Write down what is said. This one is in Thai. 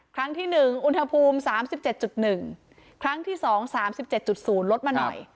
ครั้งที่๑อุณหภูมิ๓๗๑ครั้งที่๒๓๗๐ลดมาหน่อย